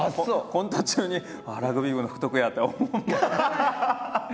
コント中にラグビー部の福徳やって思わん。